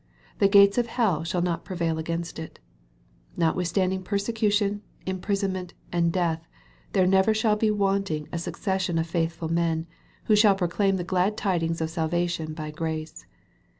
The gates of hell shall not prevail against it. Notwithstand ing persecution, imprisonment, and death, there never shall be wanting a succession of faithful men, who shall proclaim the glad tidings of salvation by grace.